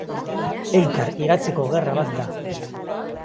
Elkar higatzeko gerra bat da.